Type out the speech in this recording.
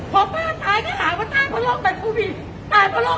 มันไม่ไหว